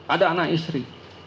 ada anak istri